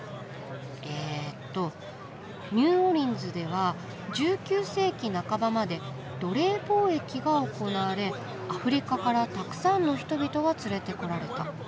えっと「ニューオーリンズでは１９世紀半ばまで奴隷貿易が行われアフリカからたくさんの人々が連れてこられた。